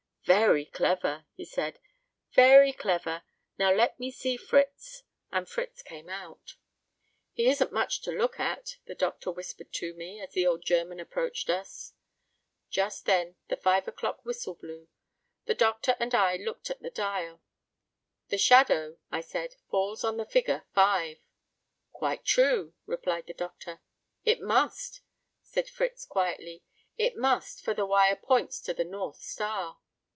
"Very clever," he said, "very clever; now let me see Fritz." And Fritz came out. "He isn't much to look at," the Doctor whispered to me, as the old German approached us. Just then the five o'clock whistle blew. The Doctor and I looked at the dial. "The shadow," I said, "falls on the figure five." "Quite true," replied the Doctor. "It must," said Fritz, quietly; "it must, for the wire points to the North Star."